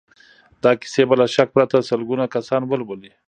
دا کيسې به له شک پرته سلګونه کسان ولولي.